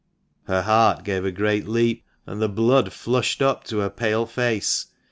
Her heart gave a great leap, and the blood flushed up to her pale face.